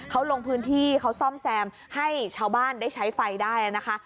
เขาลงพื้นที่เขาซ่อมแซมให้ชาวบ้านได้ใช้ไฟได้นะคะ